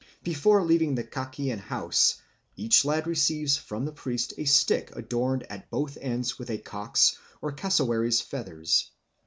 Before leaving the Kakian house, each lad receives from the priest a stick adorned at both ends with a cock's or cassowary's feathers.